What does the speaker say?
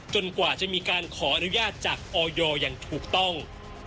กว่าจะมีการขออนุญาตจากออยอย่างถูกต้อง